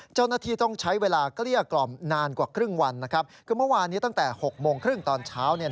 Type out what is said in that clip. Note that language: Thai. เจ้าหน้าที่ต้องใช้เวลาเกลี้ยกล่อมนานกว่าครึ่งวันคือเมื่อวานนี้ตั้งแต่๖โมงครึ่งตอนเช้า